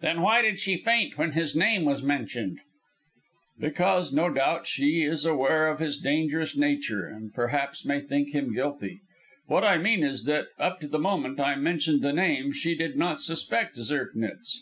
"Then why did she faint when his name was mentioned?" "Because no doubt she is aware of his dangerous nature, and perhaps may think him guilty. What I mean is that, up to the moment I mentioned the name, she did not suspect Zirknitz."